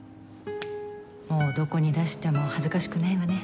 もうどこに出しても恥ずかしくないわね。